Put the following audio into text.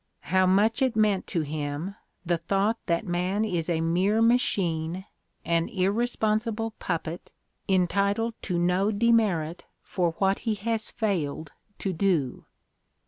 How much it meant to him, the thought that man is a mere machine, an irresponsible puppet, entitled to no demerit for what he has failed to do!